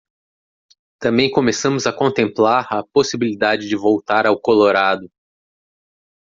Também começamos a contemplar a possibilidade de voltar ao Colorado.